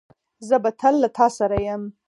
زه به تل له تاسره یم